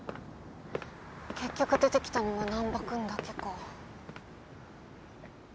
結局出てきたのは難破君だけか。